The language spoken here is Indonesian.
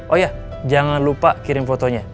oh ya jangan lupa kirim fotonya